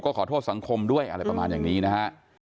ขอโทษสังคมด้วยอะไรประมาณอย่างนี้นะฮะ